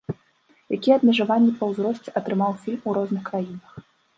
Якія абмежаванні па ўзросце атрымаў фільм у розных краінах.